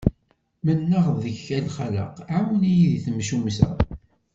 Mennaɣ deg-k a lxaleq, ɛawen-iyi di temcumt-a.